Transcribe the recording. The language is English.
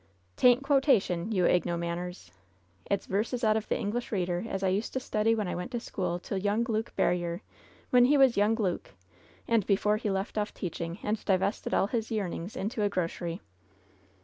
" 'Tain't quotation, you ignomanners ! It's verses out of the 'English Eeader' as I used to study when I went to school to young Luke Barriere, when he was young Luke, and before he left off teaching and divested all his yearnings into a grocery."